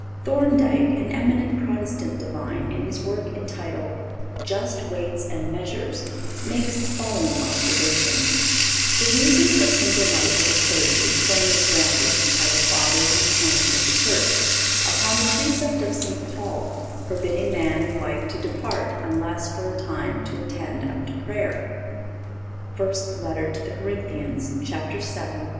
Thorndyke, an eminent Protestant Divine, in his work entitled, Just Weights and Measures, makes the following observation: "The reason for single life for the clergy is firmly grounded, by the Fathers and canons of the Church, upon the precept of St. Paul, forbidding man and wife to depart unless for a time, to attend unto prayer (I. Cor. vii.